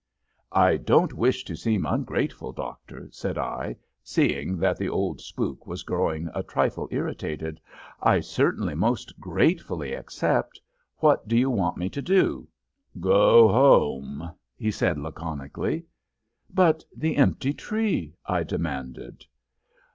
"I don't wish to seem ungrateful, Doctor," said I, seeing that the old spook was growing a trifle irritated. "I certainly most gratefully accept. What do you want me to do?" "Go home," he said, laconically. "But the empty tree?" I demanded.